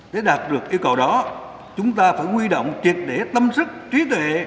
để đạt được yêu cầu đó chúng ta phải quy động triệt để tâm sức trí tuệ